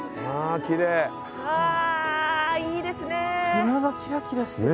砂がキラキラしてる。